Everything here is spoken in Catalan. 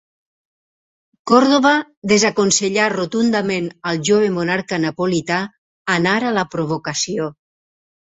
Còrdova desaconsellà rotundament al jove monarca napolità anar a la provocació.